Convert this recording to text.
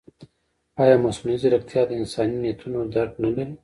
ایا مصنوعي ځیرکتیا د انساني نیتونو درک نه لري؟